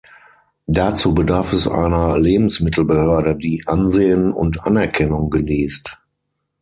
Dazu bedarf es einer Lebensmittelbehörde, die Ansehen und Anerkennung genießt.